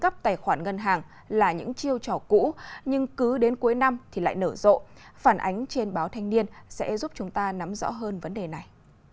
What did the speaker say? phản ánh trên báo thanh niên sẽ giúp chúng ta nắm rõ hơn vấn đề này